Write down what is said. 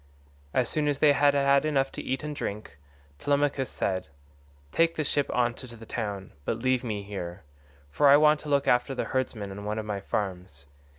As soon as they had had enough to eat and drink Telemachus said, "Take the ship on to the town, but leave me here, for I want to look after the herdsmen on one of my farms.